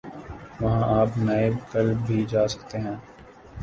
وہاں آپ نائب کلب بھی جا سکتے ہیں۔